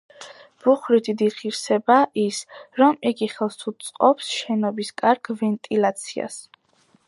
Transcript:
ბუხრის დიდი ღირსებაა ის, რომ იგი ხელს უწყობს შენობის კარგ ვენტილაციას.